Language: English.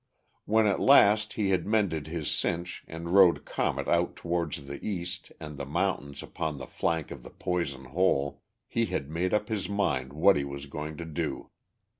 When, at last, he had mended his cinch and rode Comet out towards the east and the mountains upon the flank of the Poison Hole, he had made up his mind what he was going to do.